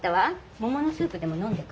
桃のスープでも飲んでく？